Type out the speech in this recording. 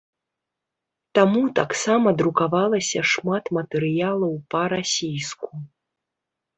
Таму таксама друкавалася шмат матэрыялаў па-расійску.